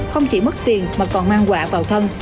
không chỉ mất tiền mà còn mang quả vào thân